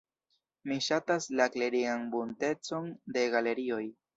Mi ŝatas la klerigan buntecon de galerioj.